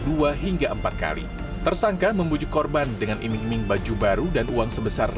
dua hingga empat kali tersangka membujuk korban dengan iming iming baju baru dan uang sebesar